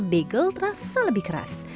bagel terasa lebih keras